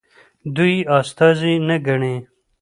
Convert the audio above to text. دوی یې استازي نه ګڼي.